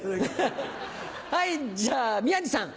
はいじゃあ宮治さん。